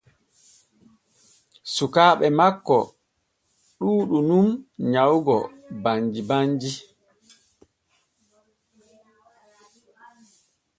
Sukaaɓe makko ɗuuɗu nun nyawugo banji banji.